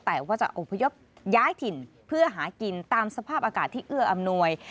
แต่ว่าจะอพยพย้ายถิ่นเพื่อหากินตามสภาพอากาศที่เอื้ออำนวย